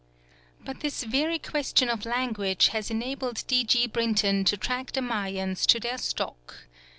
But this very question of language has enabled D. G. Brinton to track the Mayans to their stock.